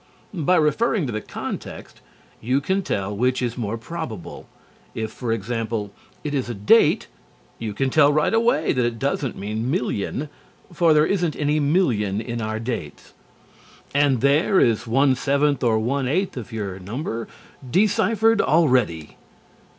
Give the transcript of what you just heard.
By referring to the context you can tell which is more probable. If, for example, it is a date, you can tell right away that it doesn't mean "million," for there isn't any "million" in our dates. And there is one seventh or eighth of your number deciphered already.